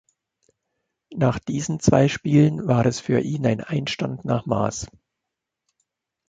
Nach diesen zwei Spielen war es für ihn ein Einstand nach Maß.